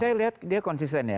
saya lihat dia konsisten ya